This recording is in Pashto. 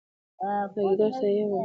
له ګیدړ څخه یې وکړله پوښتنه